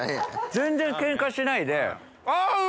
全然ケンカしないで。